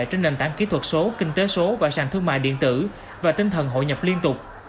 trên nền tảng kỹ thuật số kinh tế số và sàn thương mại điện tử và tinh thần hội nhập liên tục